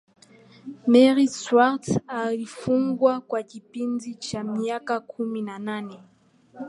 mary stuart alifungwa kwa kipindi cha miaka kumi na nane